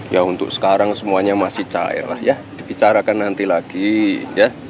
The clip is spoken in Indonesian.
ya untuk sekarang semuanya masih cair lah ya dibicarakan nanti lagi ya